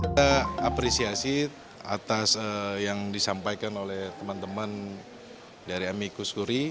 kita apresiasi atas yang disampaikan oleh teman teman dari amikus kuri